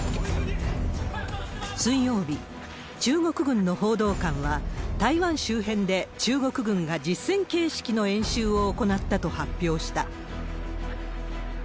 水曜日、中国軍の報道官は、台湾周辺で中国軍が実戦形式の演習を行ったと発表した。